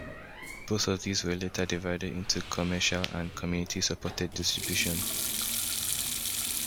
Both of these were later divided into commercial and community-supported distributions.